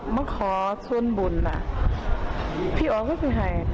มาขอส่วนบุญพี่ออฟก็จะไปให้